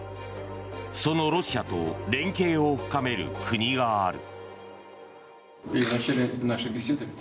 そのロシアと連携を深める国がある。